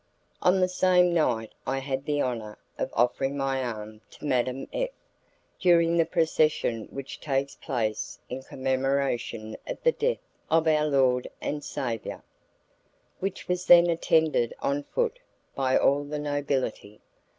On the same night I had the honour of offering my arm to Madame F during the procession which takes place in commemoration of the death of our Lord and Saviour, which was then attended on foot by all the nobility.